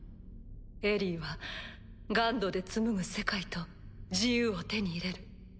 エリィはＧＵＮＤで紡ぐ世界と自由を手に入れる。